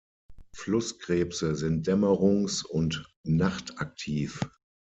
Flusskrebse sind dämmerungs- und nachtaktiv.